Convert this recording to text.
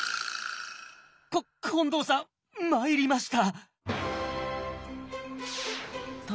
こ近藤さん参りました。